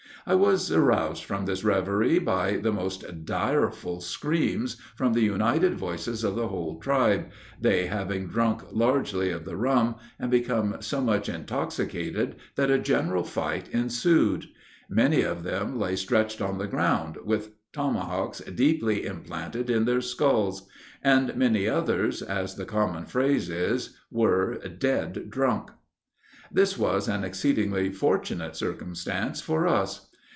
I was aroused from this reverie by the most direful screams from the united voices of the whole tribe, they having drunk largely of the rum, and become so much intoxicated that a general fight ensued. Many of them lay stretched on the ground, with tomahawks deeply implanted in their skulls: and many others, as the common phrase is, were "dead drunk." This was an exceedingly fortunate circumstance for us.